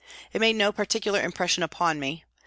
It made no particular impression upon me.